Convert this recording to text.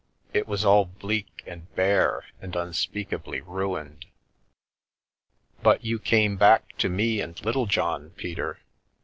It was all bleak and bare and unspeakably ruined." " But you came back to me and Littlejohn, Peter.